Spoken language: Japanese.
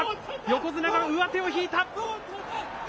横綱が上手を引いた。